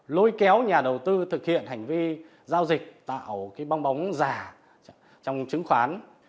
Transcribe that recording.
lôi kéo nhà đầu tư thực hiện hành vi giao dịch tạo bong bóng giả trong chứng khoán